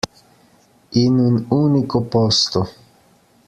In un unico posto.